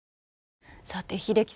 さて英樹さん